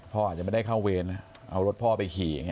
อาจจะไม่ได้เข้าเวรนะเอารถพ่อไปขี่อย่างนี้